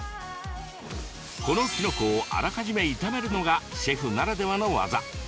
この、きのこをあらかじめ炒めるのがシェフならではの技。